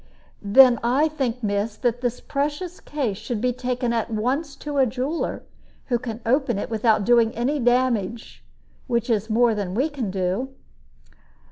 "Then I think, miss, that this precious case should be taken at once to a jeweler, who can open it without doing any damage, which is more than we can do."